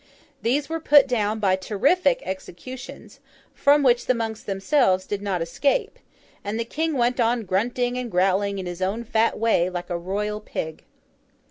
These were put down by terrific executions, from which the monks themselves did not escape, and the King went on grunting and growling in his own fat way, like a Royal pig.